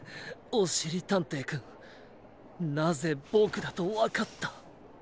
おしりたんていくんなぜボクだとわかった？